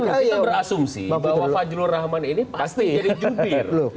kita berasumsi bahwa fajrul rahman ini pasti jadi jubir